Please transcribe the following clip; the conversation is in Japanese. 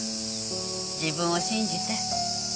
自分を信じて。